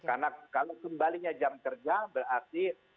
karena kalau kembalinya jam kerja berarti